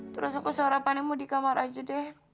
terus aku sarapanimu di kamar aja deh